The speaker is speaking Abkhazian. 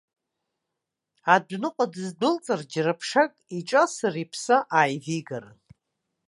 Адәныҟа дыздәылҵыр, џьара ԥшак иҿасыр иԥсы ааивигарын.